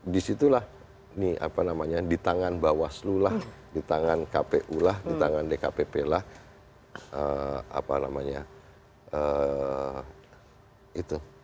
disitulah nih apa namanya di tangan bawaslu lah di tangan kpu lah di tangan dkpp lah apa namanya itu